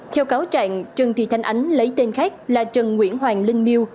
theo cáo trạng trần thị thanh ánh lấy tên khác là trần nguyễn hoàng linh mil